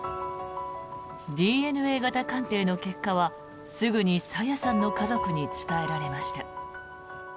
ＤＮＡ型鑑定の結果はすぐに朝芽さんの家族に伝えられました。